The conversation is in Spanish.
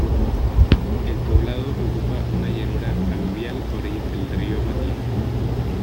El poblado ocupa una llanura aluvial a orillas del río Matina.